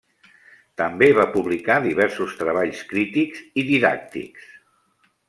També va publicar diversos treballs crítics i didàctics.